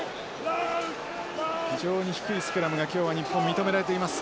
非常に低いスクラムが今日は日本認められています。